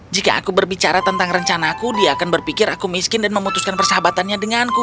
jika aku berbicara tentang rencanaku dia akan berpikir aku miskin dan memutuskan persahabatannya denganku